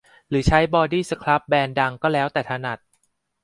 หรือใช้บอดี้สครับแบรนด์ดังก็แล้วแต่ถนัด